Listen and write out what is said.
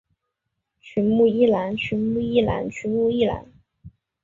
曲目一览曲目一览曲目一览